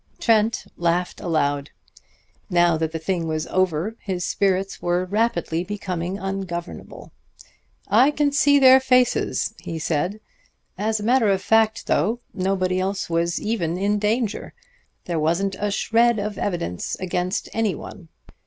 Trent laughed aloud. Now that the thing was over his spirits were rapidly becoming ungovernable. "I can see their faces!" he said. "As a matter of fact, though, nobody else was ever in danger. There wasn't a shred of evidence against any one.